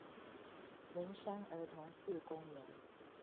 文山兒童四公園